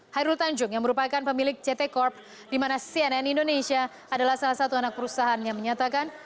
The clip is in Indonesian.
hairul tanjung yang merupakan pemilik ct corp di mana cnn indonesia adalah salah satu anak perusahaan yang menyatakan